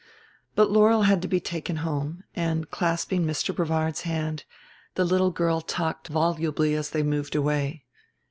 But Laurel had to be taken home; and, clasping Mr. Brevard's hand, the little girl talked volubly as they moved away.